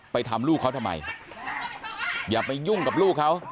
ทำลูกเขาทำไมอย่าไปยุ่งกับลูกเขา